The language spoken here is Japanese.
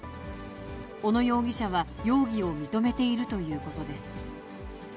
小野容疑者は容疑を認めているということです。